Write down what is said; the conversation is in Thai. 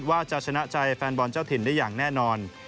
ว่าจะชนะใจแฟนบอลเจ้าถิ่นได้อย่างแน่นอน